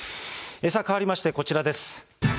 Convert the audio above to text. さあ変わりましてこちらです。